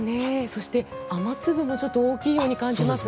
そして、雨粒もちょっと大きいように感じます。